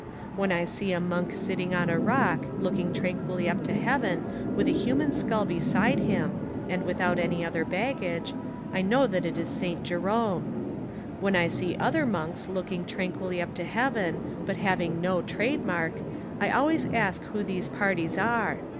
When I see a monk sitting on a rock, looking tranquilly up 119 Essays and Literary Studies to heaven with a human skull beside him and without any other baggage, I know that it is St. Jerome. When I see other monks looking tranquilly up to heaven but having no trademark, I always ask who these parties are.